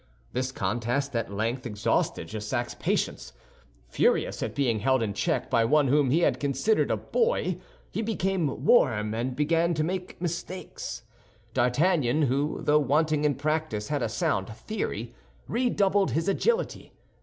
This contest at length exhausted Jussac's patience. Furious at being held in check by one whom he had considered a boy, he became warm and began to make mistakes. D'Artagnan, who though wanting in practice had a sound theory, redoubled his agility.